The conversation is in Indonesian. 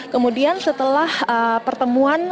kemudian setelah pertemuan